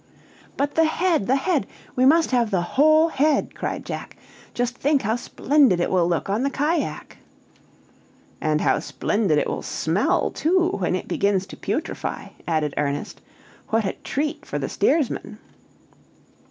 "But the head! the head! we must have the whole head," cried Jack; "just think how splendid it will look on the cajack!" "And how splendid it will smell too, when it begins to putrify," added Ernest; "what a treat for the steersman?"